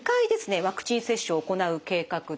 ワクチン接種を行う計画です。